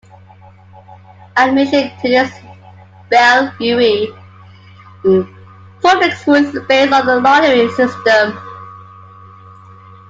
Admission to this Bellevue public school is based on a lottery system.